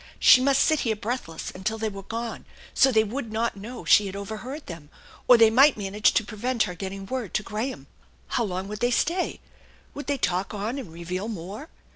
She must sit here breathless until they were gone, so they would not know she had overheard them, or they might manage to prevent her getting word to Graham. How long would they stay ? Would they talk on and reveal more?